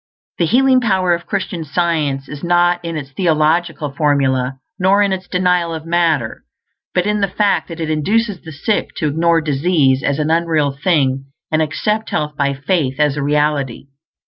The healing power of Christian Science is not in its theological formulæ, nor in its denial of matter; but in the fact that it induces the sick to ignore disease as an unreal thing and accept health by faith as a reality.